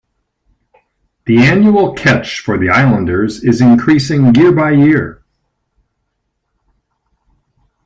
The annual catch for the islanders is increasing year by year.